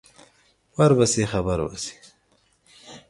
ور به شې خبر به شې